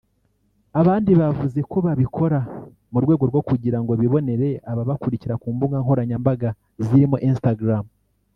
Abandi bavuze ko babikora mu rwego rwo kugirango bibonere ababakurikira ku mbuga nkoranyambaga zirimo Instagram